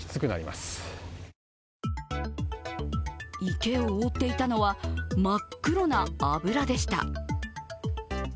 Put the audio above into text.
池を覆っていたのは真っ黒な油でした。